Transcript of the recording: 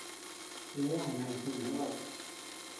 Juó neʼes chi kune bakus.